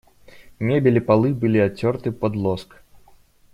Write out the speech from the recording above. Мебель и полы были оттерты под лоск.